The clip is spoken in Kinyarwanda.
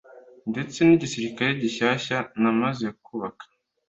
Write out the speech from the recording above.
ndetse n’igisirikare gishyashya nari maze kubaka